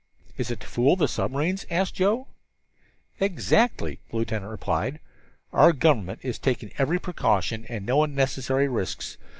"It is to fool the submarines?" asked Joe. "Exactly," the lieutenant replied. "Our government is taking every precaution, and no unnecessary risks.